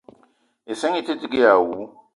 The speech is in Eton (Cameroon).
Issinga ite dug èè àwu